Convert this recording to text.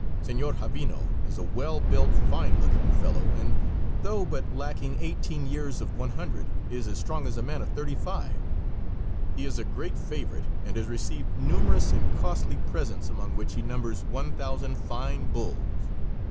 Senor Javino is a well built, fine looking fellow, and though but lacking eighteen years of one hundred is as strong as a man of thirty five. He is a great favorite, and has received numerous and costly presents, among which he numbers one thousand fine bulls.